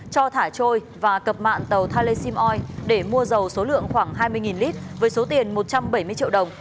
cho thả trôi và cập mạng tàu thale simoi để mua dầu số lượng khoảng hai mươi lít với số tiền một trăm bảy mươi triệu đồng